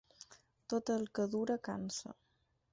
Tot el que dura, cansa.